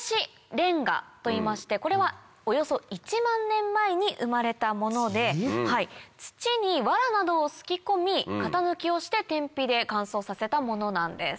これはおよそ１万年前に生まれたもので土に藁などをすき込み型抜きをして天日で乾燥させたものなんです。